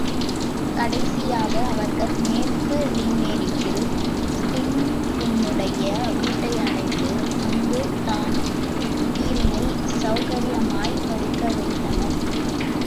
கடைசியாக அவர்கள் மேற்கு லிமெரிக்கில் ஸீன்பின்னுடைய வீட்டையடைந்து அங்கு தான்பிரீனைச் செளகரியமாய்ப் படுக்கவைத்தனர்.